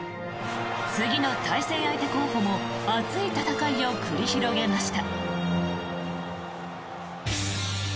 次の対戦相手候補も熱い戦いを繰り広げました。